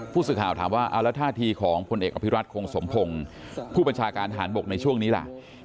ผู้สื่อข่าวถามว่าเอาแล้วท่าทีของพลเอกอภิรัตคงสมพงศ์ผู้บัญชาการทหารบกในช่วงนี้ล่ะ